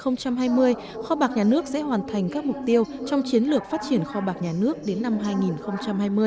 năm hai nghìn hai mươi kho bạc nhà nước sẽ hoàn thành các mục tiêu trong chiến lược phát triển kho bạc nhà nước đến năm hai nghìn hai mươi